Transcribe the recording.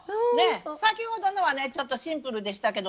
先ほどのはねちょっとシンプルでしたけどね